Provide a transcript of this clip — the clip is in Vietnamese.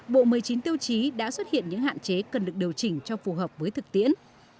bộ một mươi chín tiêu chí đã xuất hiện những hạn chế cần được điều chỉnh cho phù hợp với thực tiễn